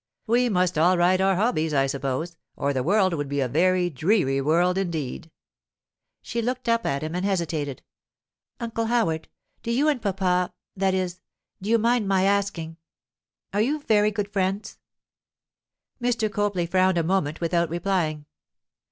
'We must all ride our hobbies, I suppose, or the world would be a very dreary world indeed.' She looked up at him and hesitated. 'Uncle Howard, do you and papa—that is—do you mind my asking?—are you very good friends?' Mr. Copley frowned a moment without replying.